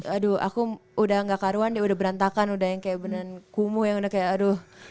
aduh aku udah gak karuan dia udah berantakan udah yang kayak beneran kumuh yang udah kayak aduh